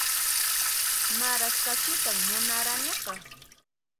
Maras kachitan munaraniqa